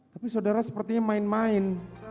tapi saudara sepertinya main main